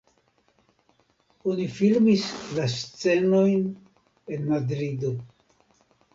Oni filmis la scenojn en Madrido.